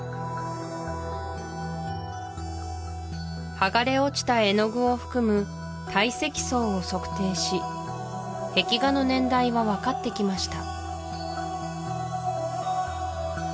剥がれ落ちた絵の具を含む堆積層を測定し壁画の年代は分かってきました